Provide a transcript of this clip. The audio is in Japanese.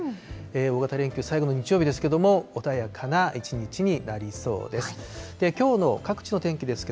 大型連休最後の日曜日ですけれども、穏やかな一日になりそうです。